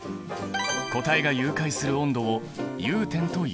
固体が融解する温度を融点という。